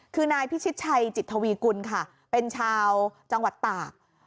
คือนายพิชิตชัยจิตทวีกุลค่ะเป็นชาวจังหวัดตาก